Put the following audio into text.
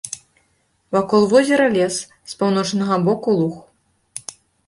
Вакол возера лес, з паўночнага боку луг.